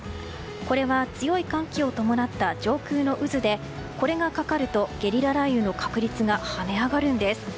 これは強い寒気を伴った上空の渦でこれがかかるとゲリラ雷雨の確率が跳ね上がるんです。